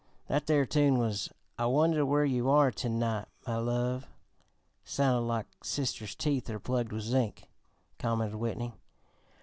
"That there tune was 'I Wonder Where You Are To night, My Love.'" "Sounded like 'Sister's Teeth Are Plugged with Zinc,'" commented Whitney.